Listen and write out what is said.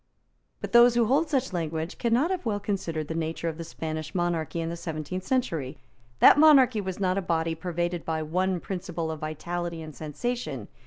But those who hold such language cannot have well considered the nature of the Spanish monarchy in the seventeenth century. That monarchy was not a body pervaded by one principle of vitality and sensation.